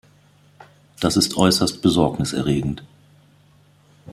Das ist äußerst besorgniserregend.